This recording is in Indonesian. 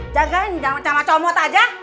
jagain camacomot aja